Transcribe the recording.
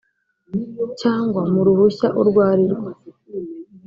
cyangwa mu ruhushya urwo arirwo